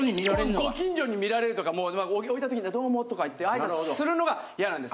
ご近所に見られるとかもうおりた時に「どうも」とか言って挨拶するのが嫌なんです。